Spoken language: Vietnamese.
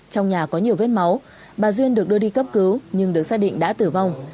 trong nhà có nhiều vết máu bà duyên được đưa đi cấp cứu nhưng được xác định đã tử vong